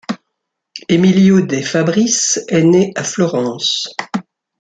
Emilio De Fabris est né à Florence.